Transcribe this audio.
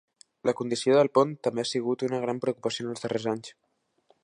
La condició del pont també ha sigut una gran preocupació en els darrers anys.